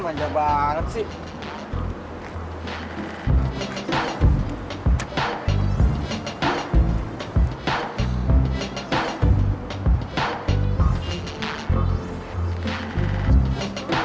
manja banget sih